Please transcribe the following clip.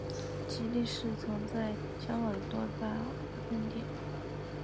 吉利市曾在香港有多家分店。